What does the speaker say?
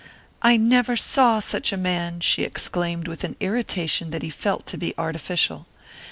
"I never saw such a man!" she exclaimed with an irritation that he felt to be artificial.